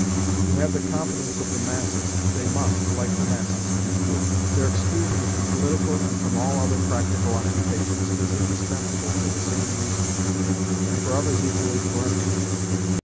To have the confidence of the masses, they must, like the masses, be poor. Their exclusion from political and from all other practical occupations is indispensable for the same reason, and for others equally peremptory.